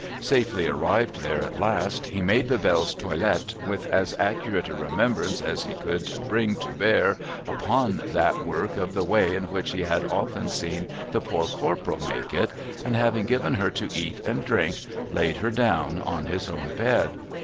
Safely arrived there at last, he made Bebelle's toilet with as accurate a remembrance as he could bring to bear upon that work of the way in which he had often seen the poor Corporal make it, and having given her to eat and drink, laid her down on his own bed.